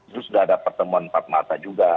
terus sudah ada pertemuan empat mata